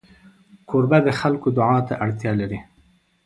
کوربه د خلکو دعا ته اړتیا لري.